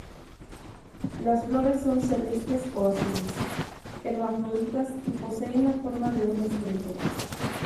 Las flores son celestes o azules, hermafroditas y poseen la forma de una estrella.